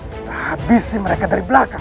kita habisi mereka dari belakang